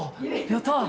やった！